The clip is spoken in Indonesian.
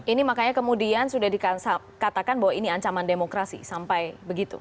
ini makanya kemudian sudah dikatakan bahwa ini ancaman demokrasi sampai begitu